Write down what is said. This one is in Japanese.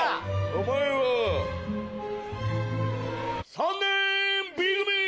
お前は３年Ｂ組！